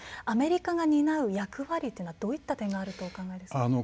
アメリカが担う役割というのはどういった点があるとお考えですか。